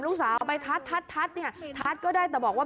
แล้วพอไปตรวจสอบดูปรากฏว่า